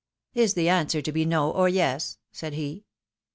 " Is the answer to be no, or yes ?" said he.